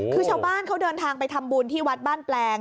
คือชาวบ้านเขาเดินทางไปทำบุญที่วัดบ้านแปลง